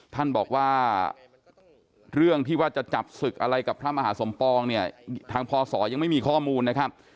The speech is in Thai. ท่านบอกว่าเรื่องที่ว่าจะจับศึกอะไรกับพระมหาสมปองเนี่ยทางพศยังไม่มีข้อมูลนะครับ